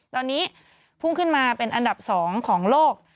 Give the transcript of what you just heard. ตอนนี้พุ่งขึ้นมาเป็นอันดับ๒ของโลก